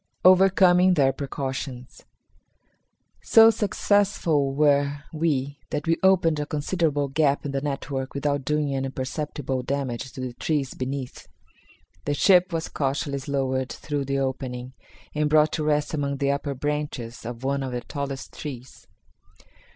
Overcoming Their Precautions. So successful were we that we opened a considerable gap in the network without doing any perceptible damage to the trees beneath. The ship was cautiously lowered through the opening and brought to rest among the upper branches of one of the tallest trees.